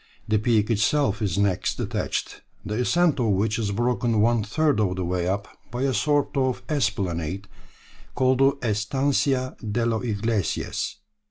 The peak itself is next attached, the ascent of which is broken one third of the way up by a sort of esplanade called the Estancia de los Ingleses.